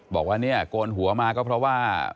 บอกว่าเนี่ยโกนหัวมาก็เพราะว่า